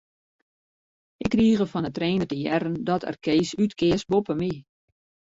Ik krige fan 'e trainer te hearren dat er Kees útkeas boppe my.